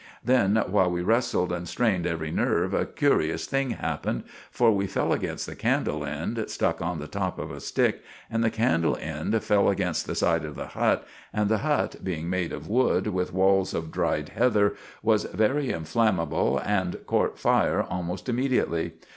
Then, while we wresled and straned every nerve, a curious thing happened, for we fell against the candle end, stuck on the top of a stick, and the candle end fell against the side of the hut, and the hut, being made of wood, with walls of dried heather, was very inflameable and cort fire almost immediately.